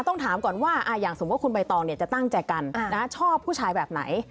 ต้องถามก่อนว่าอย่างสมมุติคุณใบตองจะตั้งใจกันชอบผู้ชายแบบไหน